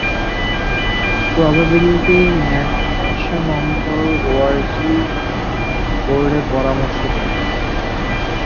প্রোবেলিটিম্যানম্যানেশনম্বরওআরজি বোর্ডে পরামর্শ দেন।